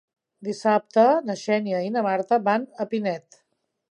Dissabte na Xènia i na Marta van a Pinet.